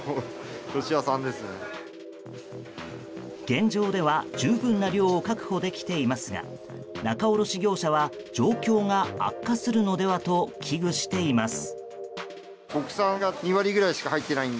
現状では十分な量を確保できていますが仲卸業者は状況が悪化するのではと危惧しています。